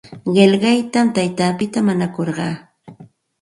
Qillaytam taytapita mañakurqaa.